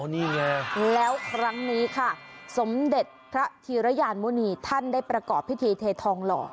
นี่ไงแล้วครั้งนี้ค่ะสมเด็จพระธีรยานมุณีท่านได้ประกอบพิธีเททองหล่อ